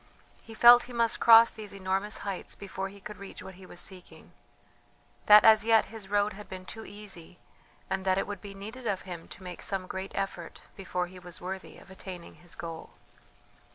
He felt he must cross these enormous heights before he could reach what he was seeking; that as yet his road had been too easy, and that it would be needed of him to make some great effort before he was worthy of attaining his goal.